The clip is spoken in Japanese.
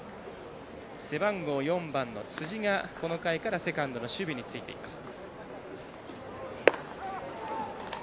背番号４番の辻がこの回からセカンドの守備についています。